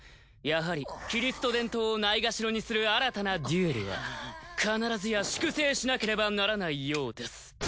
やはり規律と伝統をないがしろにする新たなデュエルは必ずや粛正しなければならないようです。